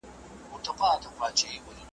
څه عجیبه غوندي لار ده نه هوسا لري نه ستړی .